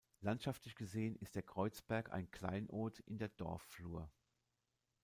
Landschaftlich gesehen ist der Kreuzberg ein Kleinod in der Dorfflur.